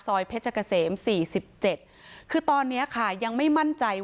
ซอยเพชรเกษมสี่สิบเจ็ดคือตอนเนี้ยค่ะยังไม่มั่นใจว่า